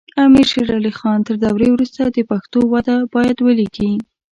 امیر شیر علی خان تر دورې وروسته د پښتو وده باید ولیکي.